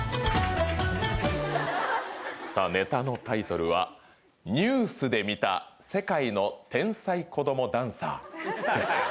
ネタのタイトルは「ニュースで見た世界の天才子どもダンサー」です。